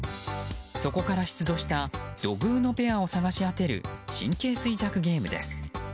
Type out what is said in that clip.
そこから出土した土偶のペアを探し当てる神経衰弱ゲームです。